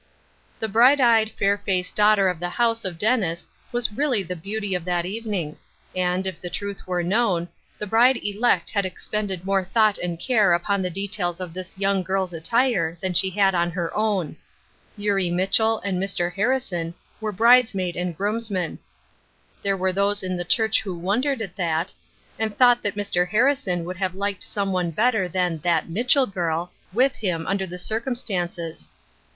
The bright; eyed, fair faced daughter of the house of Dennis was really the beauty of that evening ; and, if the truth were known, the bride elect had expended more thought and care upon the details of this young girl's attire than she had on her own. Eurie Mitchell and Mr. Hai rison were bridesmaid and groomsman. There were those in the church who wondered at that, and thought that Mr. Harrison would have liked some one better than " that Mitchell givl " with One Drop of Oil 107 him, under the circumstances.